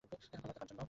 আপনার বার্তা কার জন্য?